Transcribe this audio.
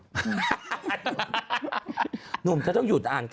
แนกโอโม่ยายช่องเหรอบ้าง